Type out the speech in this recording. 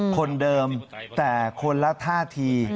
คนเดิมแต่คนละท่าที